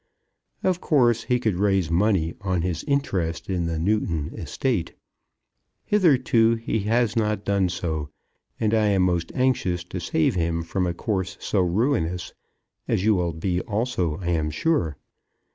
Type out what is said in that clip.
Of course he could raise money on his interest in the Newton estate. Hitherto he has not done so; and I am most anxious to save him from a course so ruinous; as you will be also, I am sure.